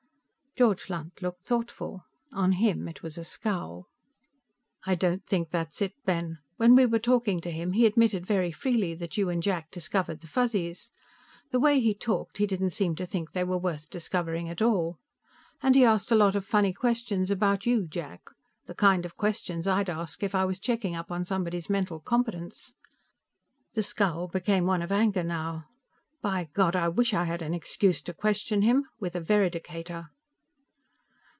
George Lunt looked thoughtful. On him, it was a scowl. "I don't think that's it, Ben. When we were talking to him, he admitted very freely that you and Jack discovered the Fuzzies. The way he talked, he didn't seem to think they were worth discovering at all. And he asked a lot of funny questions about you, Jack. The kind of questions I'd ask if I was checking up on somebody's mental competence." The scowl became one of anger now. "By God, I wish I had an excuse to question him with a veridicator!"